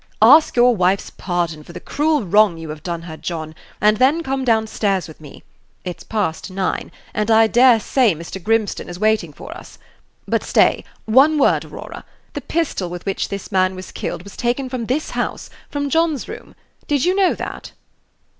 Ask your wife's pardon for the cruel wrong you have done her, John, and then come down stairs with me. It's past nine, and I dare say Mr. Grimstone is waiting for us. But stay one word, Aurora. The pistol with which this man was killed was taken from this house from John's room. Did you know that?"